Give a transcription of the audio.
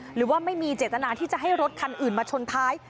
หรือว่าไม่มีเจตนาที่จะให้รถคันอื่นมาชนท้าย